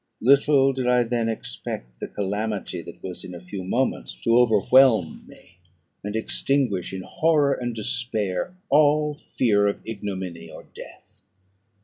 Little did I then expect the calamity that was in a few moments to overwhelm me, and extinguish in horror and despair all fear of ignominy or death.